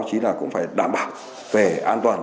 chỉ là cũng phải đảm bảo về an toàn